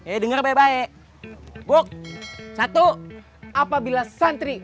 eh denger baik baik